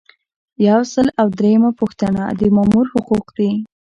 یو سل او دریمه پوښتنه د مامور حقوق دي.